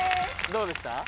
どうでした？